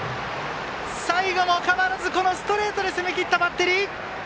最後も変わらず、ストレートで攻めきったバッテリー！